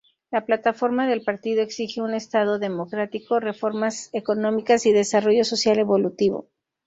La plataforma del partido exige un estado democrático, reformas económicas y desarrollo social evolutivo.